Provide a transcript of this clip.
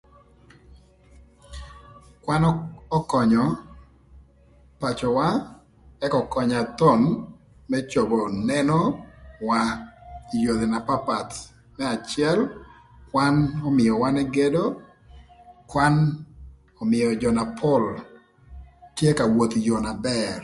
Kwan ökönyö pacöwa ëka ökönya thon më cobo nenowa ï yodhi na papath. Më acël kwan ömïö wan egedo, kwan ömïö jö na pol tye ka woth ï yoo na bër.